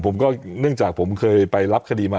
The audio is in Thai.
เนื่องจากผมเคยไปรับคดีมา